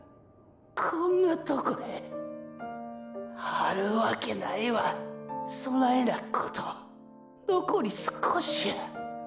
こんなとこで⁉あるわけないワそないなこと残り少しや。